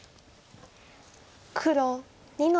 黒２の七。